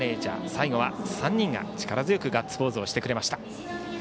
最後は３人が力強くガッツポーズをしてくれました。